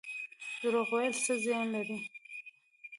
دروغ ویل څه زیان لري؟